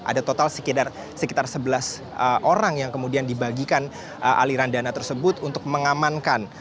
ada total sekitar sebelas orang yang kemudian dibagikan aliran dana tersebut untuk mengamankan